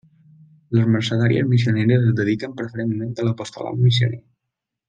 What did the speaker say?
Les Mercedàries Missioneres es dediquen preferentment a l'apostolat missioner.